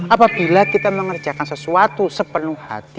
apabila kita mengerjakan sesuatu